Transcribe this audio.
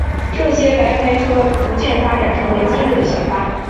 这些白牌车逐渐发展成为今日的小巴。